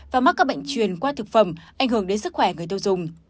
và mắc các bệnh truyền qua thực phẩm ảnh hưởng đến sức khỏe người tiêu dùng